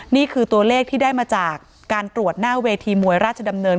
นี่คือตัวเลขที่ได้มาจากการตรวจหน้าเวทีมวยราชดำเนิน